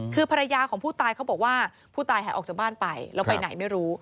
คือภรรยาของผู้ตายเขาบอกว่าผู้ตายหายออกจากบ้านไปแล้วไปไหนไม่รู้